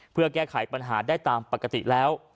เพื่อแก้ไขปัญหาได้ตามปกติแล้ว